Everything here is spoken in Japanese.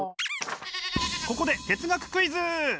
ここで哲学クイズ！